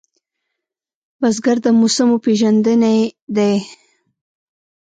بزګر د موسمو پېژندونکی دی